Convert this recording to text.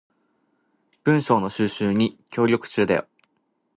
文章の収集に協力中だよ